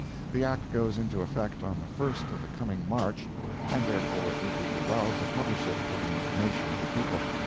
The Act goes into effect on the first of the coming March, and therefore it would be well to publish it for the information of the people.